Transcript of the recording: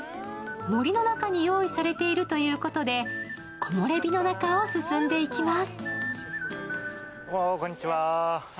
森の中に用意されているということで、木漏れ日の中を進んでいきます。